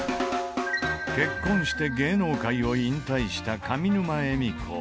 結婚して芸能界を引退した上沼恵美子。